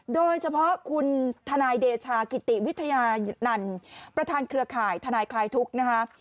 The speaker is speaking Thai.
โดยเฉพาะคุณทนายเดชากิติวิทยานันต์ประธานเครือข่ายทนายคลายทุกข์นะคะ